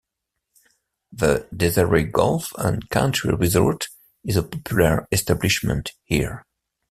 The Desaru Golf and Country Resort is a popular establishment here.